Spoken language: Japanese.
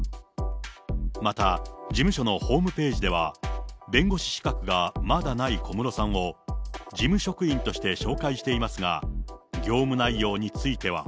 また、事務所のホームページでは弁護士資格がまだない小室さんを、事務職員として紹介していますが、業務内容については。